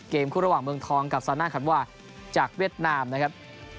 คู่ระหว่างเมืองทองกับซาน่าคันวาจากเวียดนามนะครับ